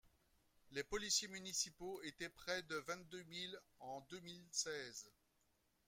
Les policiers municipaux étaient près de vingt-deux mille en deux mille seize.